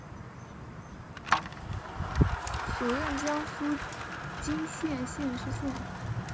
署任江苏荆溪县知县。